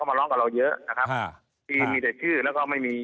มาร้องกับเราเยอะนะครับอ่าที่มีแต่ชื่อแล้วก็ไม่มี